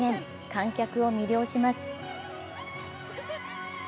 観客を魅了します。